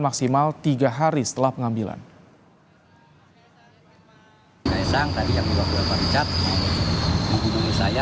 maksudnya dikawal dari dpp pks